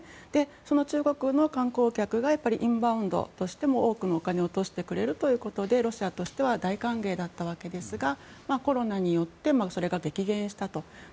その中国の観光客がインバウンドとしても多くのお金を落としてくれるということでロシアとしては大歓迎だったわけですがコロナによってそれが激減したと。